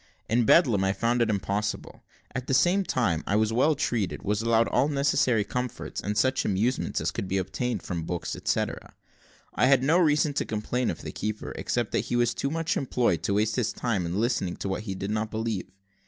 In Bedlam I found it impossible. At the same time I was well treated, was allowed all necessary comforts, and such amusement as could be obtained from books, etcetera. I had no reason to complain of the keeper except that he was too much employed to waste his time in listening to what he did not believe.